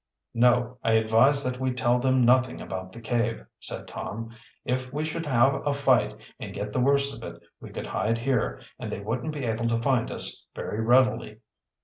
"No, I advise that we tell them nothing about the cave," said Tom. "If we should have a fight and get the worst of it, we could hide here and they wouldn't be able to find us very readily."